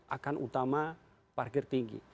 akan utama parkir tinggi